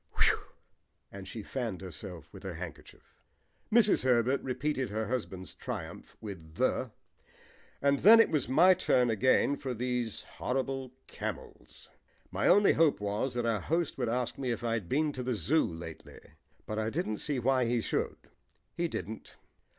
Whew!" and she fanned herself with her handkerchief. Mrs. Herbert repeated her husband's triumph with "the," and then it was my turn again for these horrible camels. My only hope was that our host would ask me if I had been to the Zoo lately, but I didn't see why he should. He didn't.